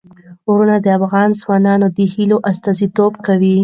غرونه د افغان ځوانانو د هیلو استازیتوب کوي.